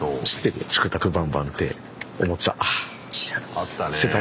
あったね。